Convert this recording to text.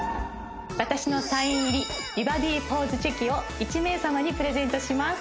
私のサイン入り美バディポーズチェキを１名様にプレゼントします